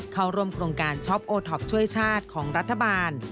เข้าร่วมโครงการช็อปโอท็อปช่วยชาติของรัฐบาล